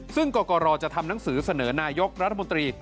ซึ่งกรกรจะทำหนังสือเสนอนายกรัฐมนตรี